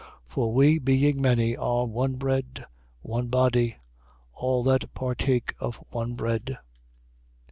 For we, being many, are one bread, one body: all that partake of one bread.